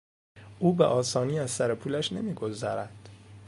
او به آسانی از سرپولش نمیگذرد.